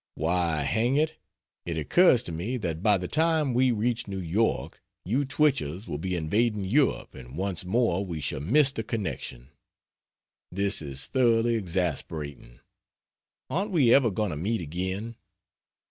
Why, hang it, it occurs to me that by the time we reach New York you Twichells will be invading Europe and once more we shall miss the connection. This is thoroughly exasperating. Aren't we ever going to meet again?